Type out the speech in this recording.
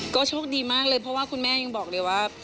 ก็โชคดีมากเลยเพราะว่าคุณแม่ยังบอกเลยว่า